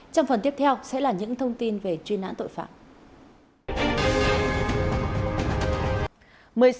trong phần tiếp theo sẽ là những thông tin về truy nãn tội phạm